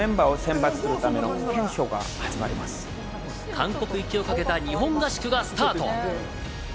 韓国行きをかけた日本合宿がスタート。